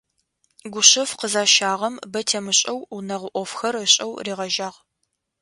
Гушъэф къызащагъэм бэ темышӏэу унэгъо ӏофхэр ышӏэу ригъэжьагъ.